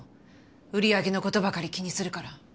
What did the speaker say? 売り上げの事ばかり気にするから。